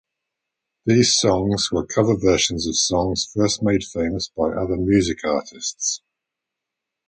These songs were cover versions of songs first made famous by other music artists.